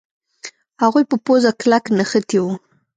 هغوی په پوزه کلک نښتي وو.